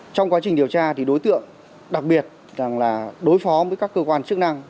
trong quá trình điều tra thì đối tượng đặc biệt rằng là đối phó với các cơ quan chức năng